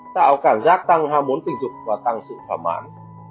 tạo cảm giác tăng hoa mốn tình dục và tăng sự thỏa mãn